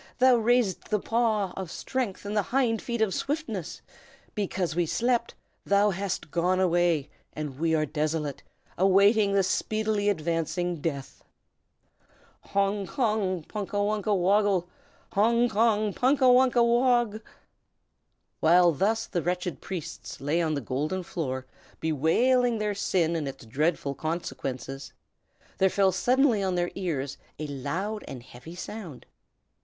Thou raisedst the paw of strength and the hind feet of swiftness. Because we slept, thou hast gone away, and we are desolate, awaiting the speedily advancing death. "Hong! Kong! Punka wunka woggle! Hong! Kong! Punka wunka wogg!" While thus the wretched priests lay on the golden floor, bewailing their sin and its dreadful consequences, there fell suddenly on their ears a loud and heavy sound.